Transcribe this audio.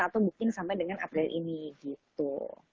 atau mungkin sampai dengan april ini gitu